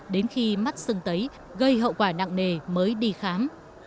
đến khi mắt sưng tấy gây hậu quả nặng nề mới đi khám